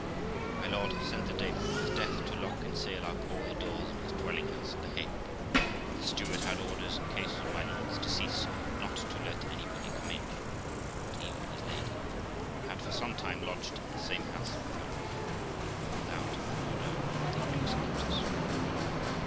My lord sent the day before his death to lock and seal up all the doors in his dwelling house at The Hague; and the steward had orders, in case of my lord's decease, not to let anybody come in, not even his lady (who had for some time lodged in the same house with her lord), without an order from the executors.